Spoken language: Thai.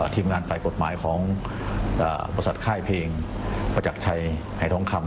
ทีมงานฝ่ายกฎหมายของบริษัทค่ายเพลงประจักรชัยหายทองคำ